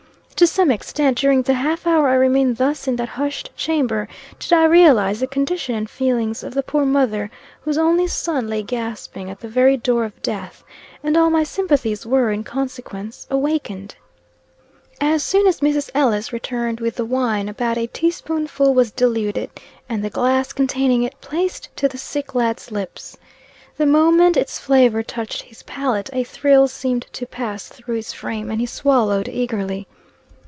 To some extent during the half hour I remained thus in that hushed chamber, did I realize the condition and feelings of the poor mother, whose only son lay gasping at the very door of death, and all my sympathies were, in consequence, awakened. As soon as Mrs. Ellis returned with the wine, about a teaspoonful was diluted, and the glass containing it placed to the sick lad's lips. The moment its flavor touched his palate, a thrill seemed to pass through his frame, and he swallowed eagerly.